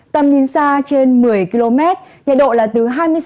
tầm nhìn xa trên một mươi km nhiệt độ là từ hai mươi sáu